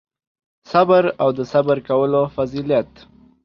صبر او د صبر کولو فضیلت